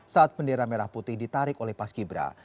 saat bendera merah putih ditarik oleh paskibra